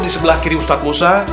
di sebelah kiri ustadz musa